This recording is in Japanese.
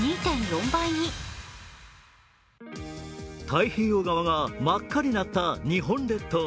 太平洋側が真っ赤になった日本列島。